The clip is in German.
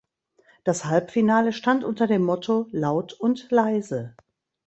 Das Halbfinale stand unter dem Motto "Laut und Leise".